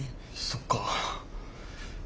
そっか。